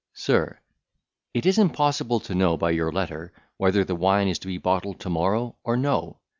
SIR, It is impossible to know by your letter whether the wine is to be bottled to morrow, or no.